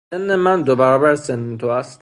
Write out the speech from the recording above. سن من دو برابر سن تو است.